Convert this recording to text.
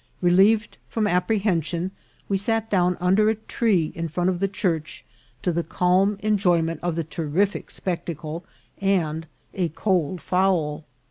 Relieved from apprehension, we sat down under a tree in front of the church to the calm enjoyment of the terrific spectacle and a cold fowl.